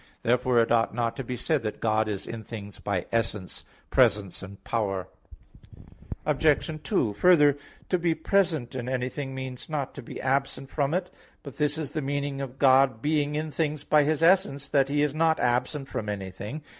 Therefore it ought not to be said that God is in things by essence, presence and power. Obj. 2: Further, to be present in anything means not to be absent from it. Now this is the meaning of God being in things by His essence, that He is not absent from anything.